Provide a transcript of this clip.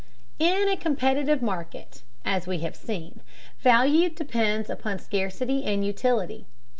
In a competitive market, as we have seen, value depends upon scarcity and utility.